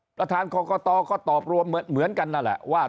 ประธานกรกตก็ตอบรวมเหมือนกันนั่นแหละว่า